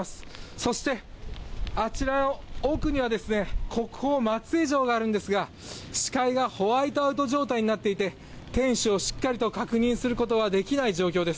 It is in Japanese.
そして、あちらの奥には国宝・松江城があるんですが視界がホワイトアウト状態になっていて、天守をしっかりと確認することはできない状況です。